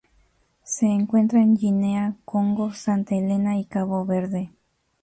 Se encuentra en Guinea, Congo, Santa Helena y Cabo Verde.